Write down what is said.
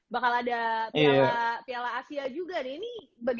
bakal ada piala asia juga nih